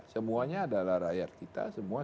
semuanya adalah rakyat kita semua